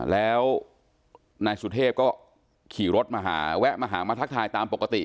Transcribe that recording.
แล้วนายสุเทพก็ขี่รถมาหาแวะมาหามาทักทายตามปกติ